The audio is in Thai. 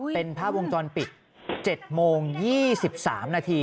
เป็นภาพวงจรปิด๗โมง๒๓นาที